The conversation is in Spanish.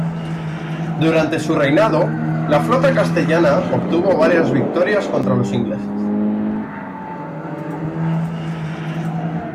Durante su reinado, la flota castellana obtuvo varias victorias contra los ingleses.